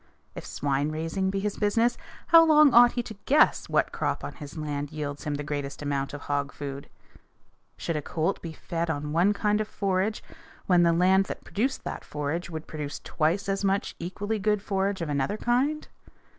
If swine raising be his business, how long ought he to guess what crop on his land yields him the greatest amount of hog food? Should a colt be fed on one kind of forage when the land that produced that forage would produce twice as much equally good forage of another kind?